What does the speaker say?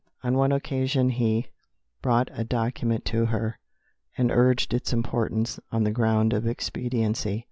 On one occasion he brought a document to her, and urged its importance on the ground of expediency.